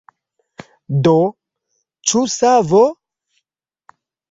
Do, ĉu savo?